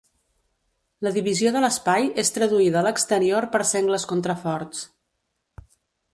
La divisió de l'espai és traduïda a l'exterior per sengles contraforts.